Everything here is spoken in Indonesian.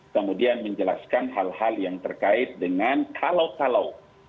kemudian menjelaskan hal hal yang terkait dengan kalau kalau